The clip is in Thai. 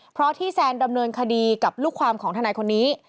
เพราะที่แซนดำเนินคดีกับลูกความของทนายคนนี้